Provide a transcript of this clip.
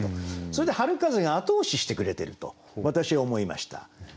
それで春風が後押ししてくれてると私は思いました。